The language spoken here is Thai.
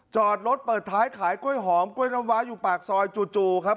จอดรถเปิดท้ายขายกล้วยหอมกล้วยน้ำว้าอยู่ปากซอยจู่ครับ